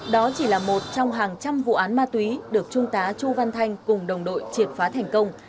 đó chỉ là một trong hàng trăm vụ án ma túy được trung tá chu văn thanh cùng đồng đội triệt phá thành công